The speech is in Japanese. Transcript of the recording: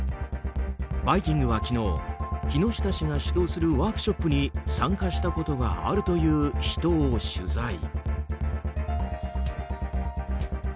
「バイキング」は昨日木下氏が指導するワークショップに参加したことがあるという人を取材。